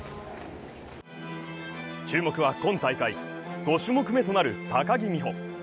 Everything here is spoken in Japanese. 注目は、今大会５種目めとなる高木美帆。